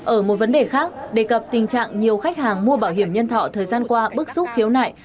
ở một vấn đề khác đề cập tình trạng nhiều khách hàng mua bảo hiểm nhân thọ thời gian qua bức xúc khiếu nại